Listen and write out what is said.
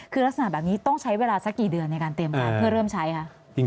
คือลักษณะแบบนี้ต้องใช้เวลาสักกี่เดือนในการเตรียมการเพื่อเริ่มใช้คะ